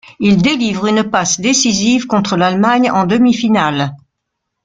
Il délivre une passe décisive contre l'Allemagne en demi-finale.